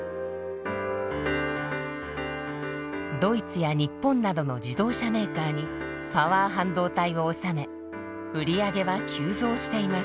ドイツや日本などの自動車メーカーにパワー半導体を納め売り上げは急増しています。